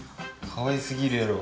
かわいすぎるやろ。